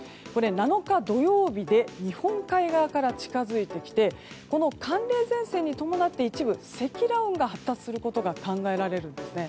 ７日土曜日で日本海側から近づいてきて寒冷前線に伴って一部、積乱雲が発達することが考えられるんですね。